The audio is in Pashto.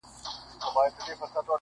بې پروا یم له رویباره- بې خبره له نګاره-